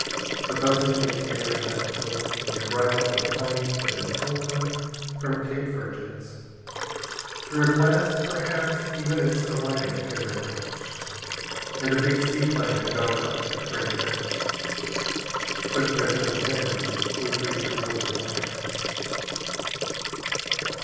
The buzzing in the air the night before.... The arrival of the plane had been telephoned from Cape Virgins. Through a glass, perhaps, even its alighting had been watched. And a big seaplane had gone out to bring it back. Footprints in the sand would lead toward the lighthouse.